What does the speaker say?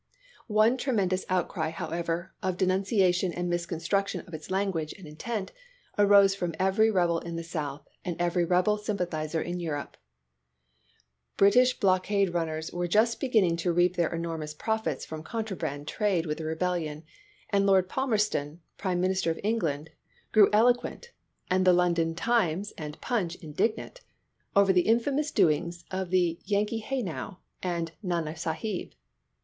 One tremendous outcry, however, of denuncia tion and misconstruction of its language and intent arose from every rebel in the South and every rebel sympathizer in Europe. British blockade runners were just beginning to reap their enormous profits from contraband trade with the rebellion; and Lord Palmerston, prime minister of England, grew eloquent, and the London " Times " and " Punch " indignant, over the " infamous " doings of the Yan kee Haynau and Nana Sahib.